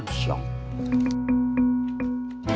tis ini dia